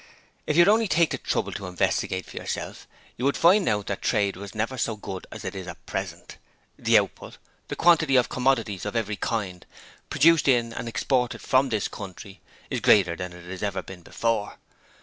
If you would only take the trouble to investigate for yourself you would find out that trade was never so good as it is at present: the output the quantity of commodities of every kind produced in and exported from this country is greater than it has ever been before.